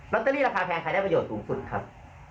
ตเตอรี่ราคาแพงใครได้ประโยชน์สูงสุดครับ